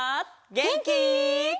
げんき？